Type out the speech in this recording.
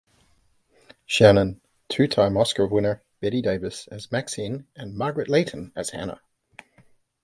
Shannon, two-time Oscar winner Bette Davis as Maxine and Margaret Leighton as Hannah.